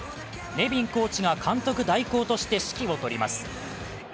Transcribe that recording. ネビンコーチが監督代行として指揮を執ります。